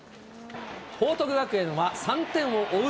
報徳学園は３点を追う